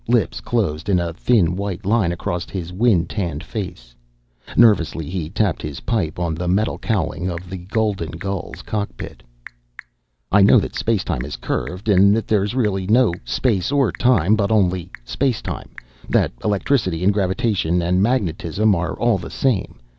Lips closed in a thin white line across his wind tanned face; nervously he tapped his pipe on the metal cowling of the Golden Gull's cockpit. "I know that space is curved, that there is really no space or time, but only space time, that electricity and gravitation and magnetism are all the same.